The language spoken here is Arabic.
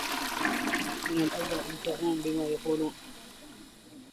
من الأفضل أن تقوم بما يقولون.